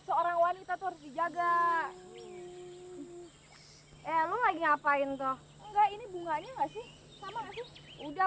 seorang wanita terus dijaga eh lu lagi ngapain tuh enggak ini bunganya enggak sih sama udah